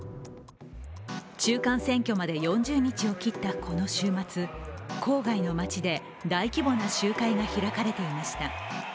中間選挙まで４０日を切ったこの週末、郊外の街で、大規模な集会が開かれていました。